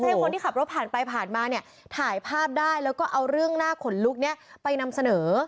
ให้คนที่ขับรถผ่านไปผ่านมาเนี่ยถ่ายภาพได้แล้วก็เอาเรื่องหน้าขนลุกนี้ไปนำเสนอ